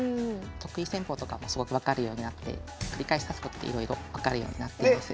得意戦法とかもすごく分かるようになって繰り返し指すことでいろいろ分かるようになっています。